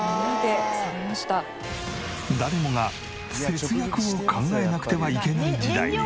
誰もが節約を考えなくてはいけない時代に。